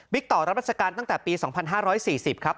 บิ๊กต่อรัฐศาสตร์การตั้งแต่ปี๒๕๔๐ครับ